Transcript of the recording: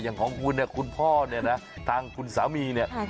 อย่างของคุณเนี่ยคุณพ่อเนี่ยนะทางคุณสามีเนี่ย